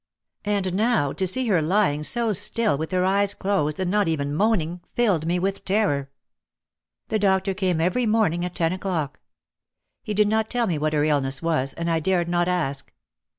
And now to see her lying so still with her eyes closed and not even moaning, filled me with terror. The doctor came every morning at ten o'clock. He did not tell me what her illness was and I dared not ask.